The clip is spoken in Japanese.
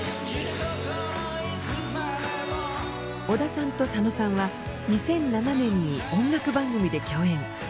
小田さんと佐野さんは２００７年に音楽番組で共演。